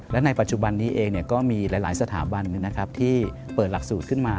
และในปัจจุบันนี้เองก็มีหลายสถาบันที่เปิดหลักสูตรขึ้นมา